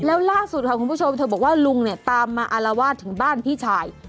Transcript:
แล้วล่าสุดค่ะคุณผู้ชมเธอบอกว่าลุงเนี่ยตามมาอารวาสถึงบ้านพี่ชาย